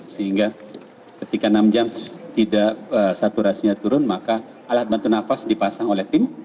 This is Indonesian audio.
sehingga ketika enam jam saturasinya turun maka alat bantu nafas dipasang oleh tim